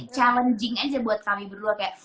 challenging aja buat kami berdua kayak